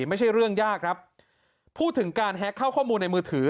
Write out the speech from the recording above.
ไม่ใช่เรื่องยากครับพูดถึงการแฮ็กเข้าข้อมูลในมือถือ